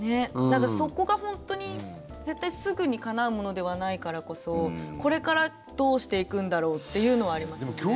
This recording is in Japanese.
そこが本当に絶対すぐにかなうものではないからこそこれからどうしていくんだろうというのはありますよね。